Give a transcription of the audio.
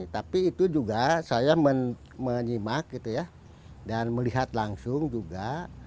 tapi itu juga saya menyimak gitu ya dan melihat langsung juga